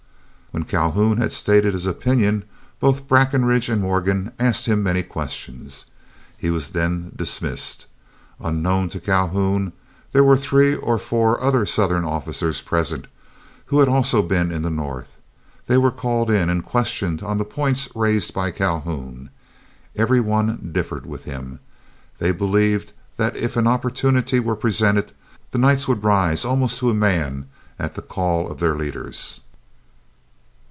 When Calhoun had stated his opinion, both Breckinridge and Morgan asked him many questions. He was then dismissed. Unknown to Calhoun there were three or four other Southern officers present, who had also been in the North. They were called in, and questioned on the points raised by Calhoun. Every one differed with him. They believed that if an opportunity were presented the Knights would rise almost to a man at the call of their leaders.